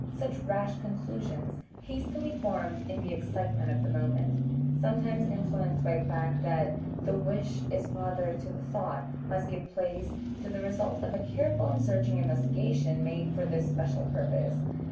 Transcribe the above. Such rash conclusions, hastily formed in the excitement of the moment sometimes influenced by the fact that "the wish is father to the thought" must give place to the results of a careful and searching investigation made for this special purpose.